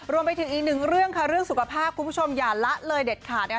รวมไปถึงอีกหนึ่งเรื่องค่ะเรื่องสุขภาพคุณผู้ชมอย่าละเลยเด็ดขาดนะคะ